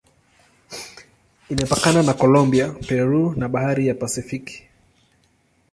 Imepakana na Kolombia, Peru na Bahari ya Pasifiki.